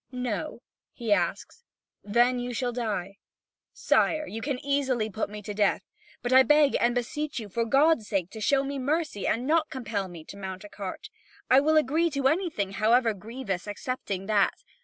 "No?" he asks; "then you shall die." "Sire, you can easily put me to death; but I beg and beseech you for God's sake to show me mercy and not compel me to mount a cart. I will agree to anything, however grievous, excepting that.